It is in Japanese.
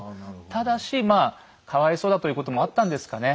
ただしまあかわいそうだということもあったんですかね